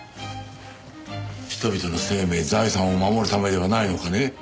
人々の生命財産を守るためではないのかね？